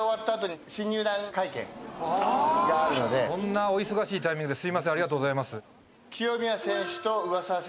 そんなお忙しいタイミングでありがとうございます。